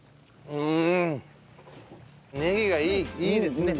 うん。